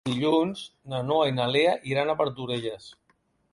Dilluns na Noa i na Lea iran a Martorelles.